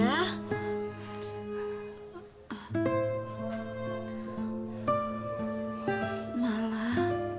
ibu di rumah saya